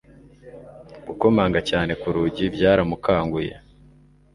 Gukomanga cyane ku rugi byaramukanguye.